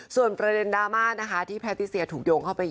ส่วนประเด็นดราม่านะคะที่แพทติเซียถูกโยงเข้าไป